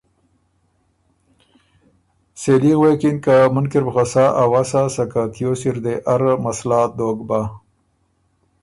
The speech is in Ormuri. سېلي غوېکِن که ”مُنکی ر بُو خه سا اؤسا سکه تیوس اِردې اره مسلات دوک بۀ۔